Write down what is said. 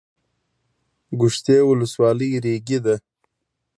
ګوشتې ولسوالۍ ریګي ده؟